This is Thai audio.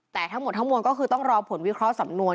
แต่ทั้งหมดทั้งมวลก็คือต้องรอผลวิเคราะห์สำนวน